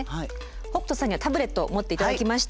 北斗さんにはタブレットを持って頂きました。